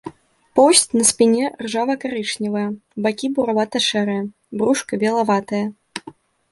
Поўсць на спіне ржава-карычневая, бакі буравата-шэрыя, брушка белаватае.